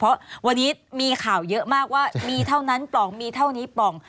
เพราะวันนี้มีข่าวเยอะมากว่ามีเท่านั้นปล่องมีเท่านี้ปล่อง